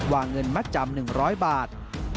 วางเงินมัตต์จำ๑๐๐บาท